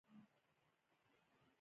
د کلماتو زندان جوړول ناشوني دي.